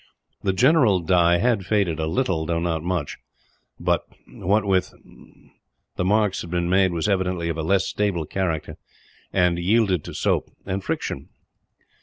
The general dye had faded a little, though not much; but that with which the marks had been made was evidently of a less stable character, and yielded to soap and friction.